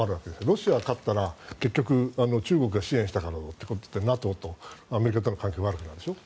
ロシアが勝ったら結局中国が支援したからだといってＮＡＴＯとアメリカの関係が悪くなるでしょ。